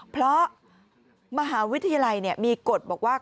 เพราะมหาวิทยาลัยมีกฎบอกว่า